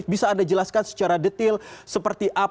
bisa anda jelaskan secara detail seperti apa